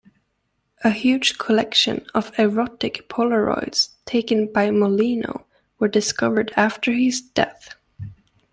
A huge collection of erotic polaroids taken by Mollino were discovered after his death.